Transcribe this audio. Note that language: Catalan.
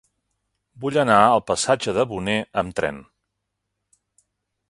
Vull anar al passatge de Boné amb tren.